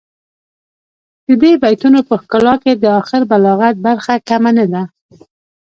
د دې بیتونو په ښکلا کې د اخر بلاغت برخه کمه نه ده.